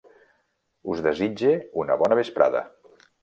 Us desitge una bona vesprada.